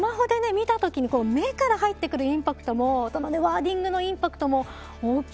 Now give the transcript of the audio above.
見た時に目から入ってくるインパクトもワーディングのインパクトも大きいですよね。